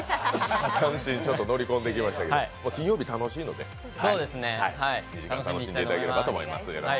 乗り込んできてくれましたけど金曜日、楽しいので２時間楽しんでいただければと思います。